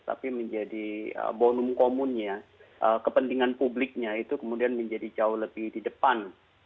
tapi menjadi bonum komunnya kepentingan publiknya itu kemudian menjadi jauh lebih di depan